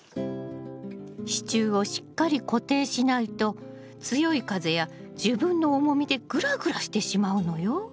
支柱をしっかり固定しないと強い風や自分の重みでグラグラしてしまうのよ。